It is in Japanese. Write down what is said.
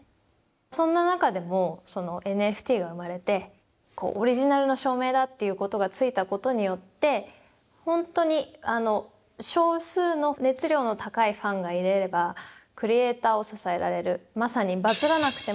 そんな中でもＮＦＴが生まれてオリジナルの証明だっていうことがついたことによって本当に少数の熱量の高いファンがいればクリエーターを支えられる。